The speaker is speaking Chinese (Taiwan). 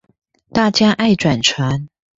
大家愛轉傳